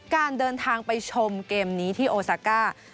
การเดินทางไปชมเกมนี้ที่โอซาก้า